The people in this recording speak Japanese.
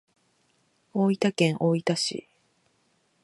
大分県大分市